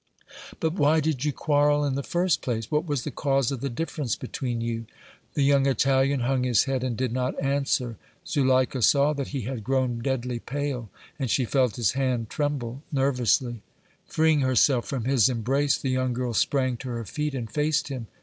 "But why did you quarrel in the first place? What was the cause of the difference between you?" The young Italian hung his head and did not answer. Zuleika saw that he had grown deadly pale, and she felt his hand tremble nervously. Freeing herself from his embrace, the young girl sprang to her feet and faced him.